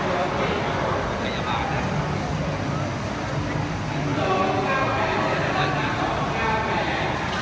สาธิตรีสาธิตรีสาธิตรีสาธิตรี